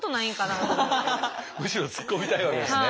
むしろツッコみたいわけですね。